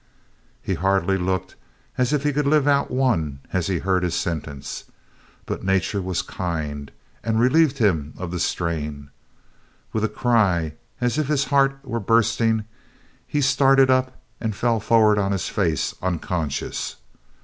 He hardly looked as if he could live out one as he heard his sentence. But Nature was kind and relieved him of the strain. With a cry as if his heart were bursting, he started up and fell forward on his face unconscious.